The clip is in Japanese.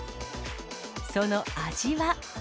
その味は。